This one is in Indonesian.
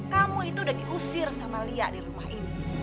kamu itu udah diusir sama lia di rumah ini